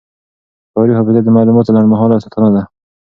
کاري حافظه د معلوماتو لنډمهاله ساتنه ده.